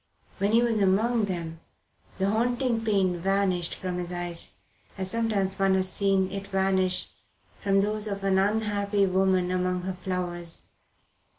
When he was among them the haunting pain vanished from his eyes, as sometimes one has seen it vanish from those of an unhappy woman among her flowers.